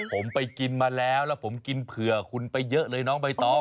ผมไปกินมาแล้วแล้วผมกินเผื่อคุณไปเยอะเลยน้องใบตอง